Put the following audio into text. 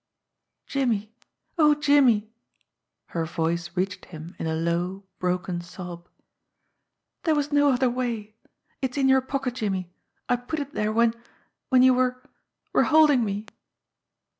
"Jimmie ! Oh, Jimmie !" Her voice reached him in a low, broken sob. "There was no other way. It's in your pocket, Jimmie. I put it there when when you were were holding me."